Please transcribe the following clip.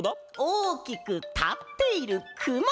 おおきくたっているくま！